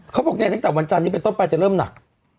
เธอบอกแต่วันจันทร์เต้นไปจะเริ่มหนัก